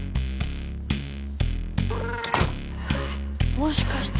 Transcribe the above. もしかして。